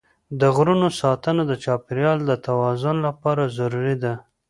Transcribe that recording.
د غرونو ساتنه د چاپېریال د توازن لپاره ضروري ده.